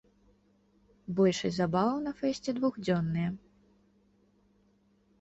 Большасць забаваў на фэсце двухдзённыя.